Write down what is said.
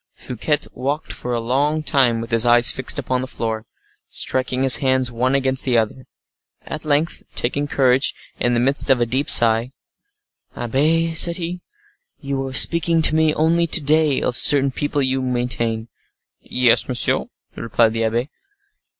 Fouquet walked for a long time, with his eyes fixed upon the floor, striking his hands one against the other. At length, taking courage, in the midst of a deep sigh: "Abbe," said he, "you were speaking to me only to day of certain people you maintain." "Yes, monsieur," replied the abbe.